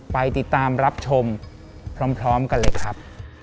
ไปติดตามรับชมพร้อมกันเลยครับ